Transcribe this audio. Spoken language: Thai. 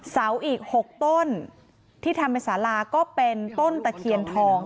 เสาอีก๖ต้นที่ทำเป็นสาราก็เป็นต้นตะเคียนทอง